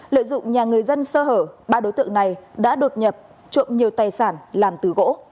lợi dụng nhà người dân sơ hở ba đối tượng này đã đột nhập trộm nhiều tài sản làm từ gỗ